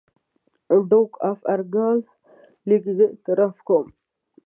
ډوک آف ارګایل لیکي زه اعتراف کوم.